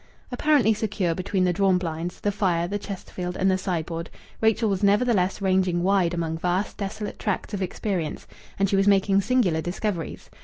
Apparently secure between the drawn blinds, the fire, the Chesterfield, and the sideboard, Rachel was nevertheless ranging wide among vast, desolate tracts of experience, and she was making singular discoveries.